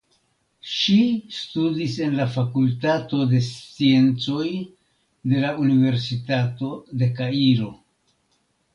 Ŝi studis en la Fakultato de Sciencoj de la Universitato de Kairo.